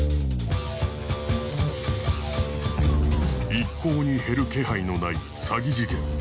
一向に減る気配のない詐欺事件。